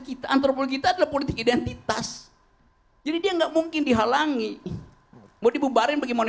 kita antropologi tetap politik identitas jadi enggak mungkin dihalangi mau dibubarin bagaimana